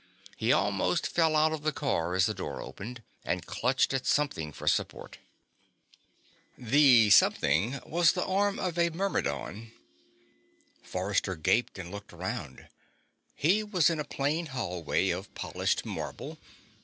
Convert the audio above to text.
He almost fell out of the car as the door opened, and clutched at something for support. The something was the arm of a Myrmidon. Forrester gaped and looked around. He was in a plain hallway of polished marble.